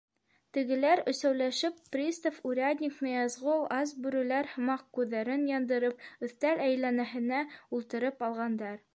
— Тегеләр, өсәүләшеп — пристав, урядник, Ныязғол, ас бүреләр һымаҡ күҙҙәрен яндырып, өҫтәл әйләнәһенә ултырып алғандар.